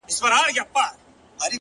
هغه به څرنګه بلا وویني!